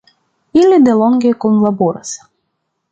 Ili delonge kunlaboras.